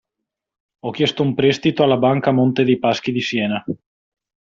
Ho chiesto un prestito alla banca Monte dei Paschi di Siena.